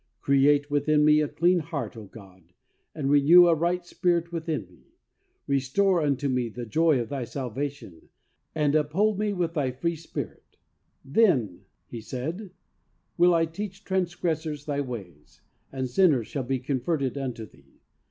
Create within me a clean heart, O God, and renew a right spirit within me. Restore unto me the joy of Thy salvation, and uphold me with Thy B 2 THE SOUL WINNER S SECRET. free Spirit. Then," said he, "will I teach transgressors Thy ways and sinners shall be converted unto Thee."